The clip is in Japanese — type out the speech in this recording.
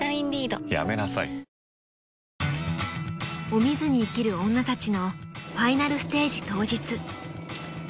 ［お水に生きる女たちのファイナルステージ当日］